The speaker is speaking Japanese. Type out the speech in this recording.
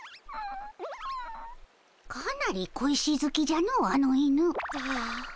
かなり小石好きじゃのあの犬。